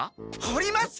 掘ります！